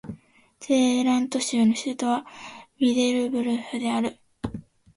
ゼーラント州の州都はミデルブルフである